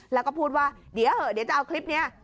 แล้วก็พูดว่าเดี๋ยวเหอะเดี๋ยวจะเอาคลิปนี้